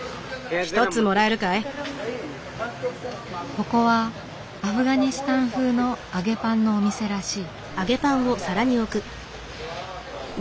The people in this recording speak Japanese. ここはアフガニスタン風の揚げパンのお店らしい。